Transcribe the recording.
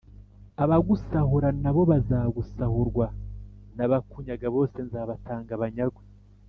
Abagusahura na bo bazasahurwa n abakunyaga bose nzabatanga banyagwe